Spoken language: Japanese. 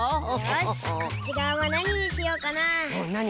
よしこっちがわはなににしようかな。